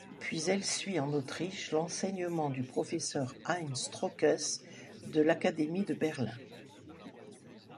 Puis elle suit en Autriche l'enseignement du professeur Heinz Trökes, de l'Académie de Berlin.